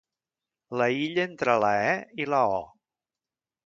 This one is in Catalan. L'aïlla entre la e i la o.